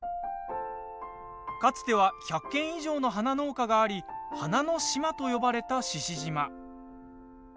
かつては１００軒以上の花農家があり花の島と呼ばれた志々島。